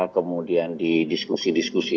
kemudian di diskusi diskusi